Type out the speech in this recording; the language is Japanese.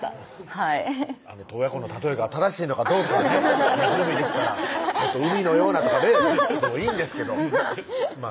はい洞爺湖の例えが正しいのかどうかはね湖ですから「海のような」とかでいいんですけどまぁね